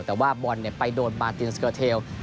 แต่ว่าบอลไปโดนปาร์ตินสเกอร์เทล